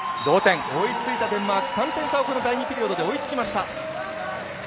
追いついたデンマーク３点差を第２ピリオドで追いつきました。